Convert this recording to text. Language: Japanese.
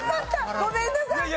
ごめんなさい！